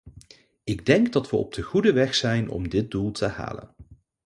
Ik denk dat we op de goede weg zijn om dit doel te halen.